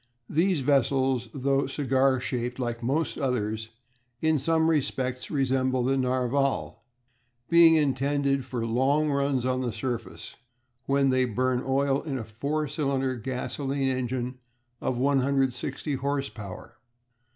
These vessels, though cigar shaped liked most others, in some respects resemble the Narval, being intended for long runs on the surface, when they burn oil in a four cylinder gasolene engine of 160 horse power.